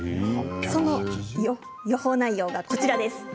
その予報内容がこちらです。